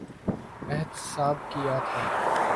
احتساب کیا تھا۔